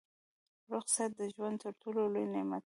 روغ صحت د ژوند تر ټولو لوی نعمت دی